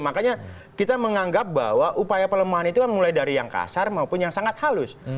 makanya kita menganggap bahwa upaya pelemahan itu kan mulai dari yang kasar maupun yang sangat halus